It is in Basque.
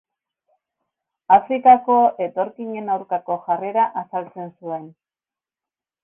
Afrikako etorkinen aurkako jarrera azaltzen zuen.